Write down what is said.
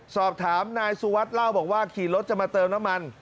สอบถามนายสุวัสดิ์เล่าบอกว่าขี่รถจะมาเติมน้ำมัน